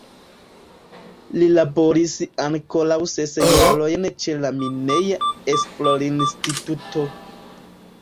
Li laboris ankoraŭ ses jarojn ĉe la Mineja Esplorinstituto.